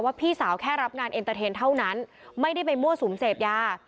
ว่าพี่สาวแค่รับงานเท่านั้นไม่ได้ไปมั่วสูงเสพยา